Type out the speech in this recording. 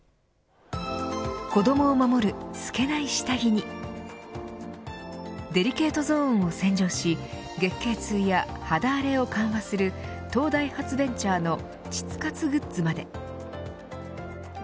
子どもを守る透けない下着にデリケートゾーンを洗浄し月経痛や肌荒れを緩和する東大発ベンチャーの膣活グッズまで。